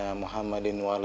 bretanya ada namanya reynolds